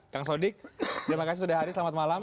kang sodik terima kasih sudah hari selamat malam